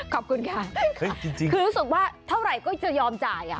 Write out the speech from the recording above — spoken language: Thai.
ขอบคุณค่ะคือรู้สึกว่าเท่าไหร่ก็จะยอมจ่าย